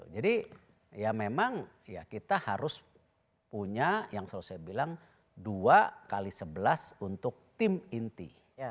jadi memang kita harus punya yang selalu saya bilang dua kali sebelas untuk tim inti